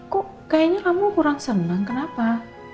kok kayaknya kamu kurang senang kenapa